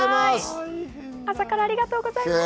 ありがとうございます。